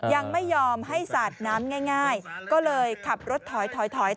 ยังไม่ยอมให้สาดน้ำง่ายก็เลยขับรถถอยถอย